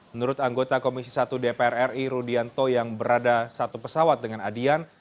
menurut anggota komisi satu dpr ri rudianto yang berada satu pesawat dengan adian